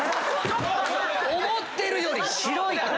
思ってるより白いから！